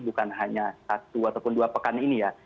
bukan hanya satu ataupun dua pekan ini ya